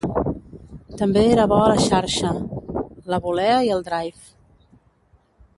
També era bo a la xarxa, la volea i el drive.